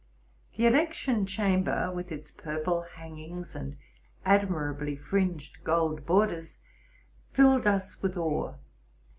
The election chamber, with its purple hangings and admirably fringed gold borders, filled us with awe.